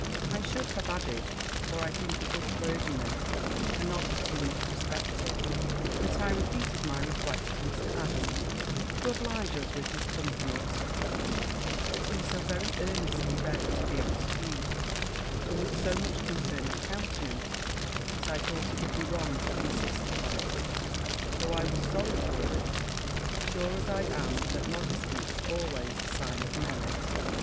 I should have added, for I think a good clergyman cannot be too much respected, that I repeated my request to Mr. Adams, to oblige us with his company at supper; but he so very earnestly begged to be excused, and with so much concern of countenance, that I thought it would be wrong to insist upon it; though I was sorry for it, sure as I am that modesty is always a sign of merit.